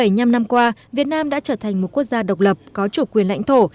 bảy mươi năm năm qua việt nam đã trở thành một quốc gia độc lập có chủ quyền lãnh thổ